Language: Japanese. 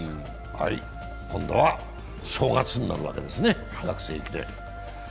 今度は正月になるわけですね、学生駅伝。